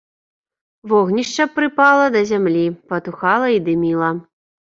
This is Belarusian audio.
Вогнішча прыпала да зямлі, патухала і дыміла.